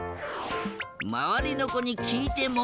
まわりのこにきいても。